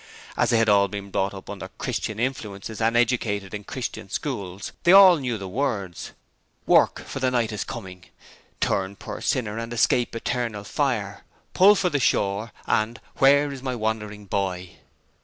As they had all been brought up under 'Christian' influences and educated in 'Christian' schools, they all knew the words: 'Work, for the night is coming', 'Turn poor Sinner and escape Eternal Fire', 'Pull for the Shore' and 'Where is my Wandering Boy?'